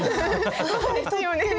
そうですよねもう。